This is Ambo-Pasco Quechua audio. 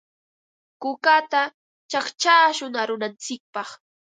Kukata chaqchashun arunantsikpaq.